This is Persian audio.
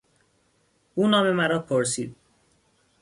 او نام مرا پرسید.